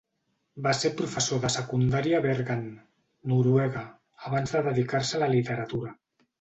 Va ser professor de secundària a Bergen (Noruega) abans de dedicar-se a la literatura.